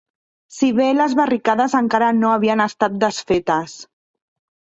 Si bé les barricades encara no havien estat desfetes